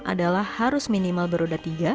adalah harus minimal beroda tiga